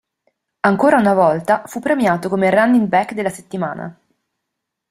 Ancora una volta fu premiato come running back della settimana.